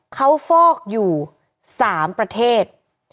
เขาฟอกอยู่๓ประเทศ